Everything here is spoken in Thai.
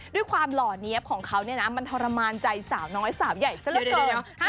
ความหล่อเนี๊ยบของเขาเนี่ยนะมันทรมานใจสาวน้อยสาวใหญ่ซะเลยทีเดียว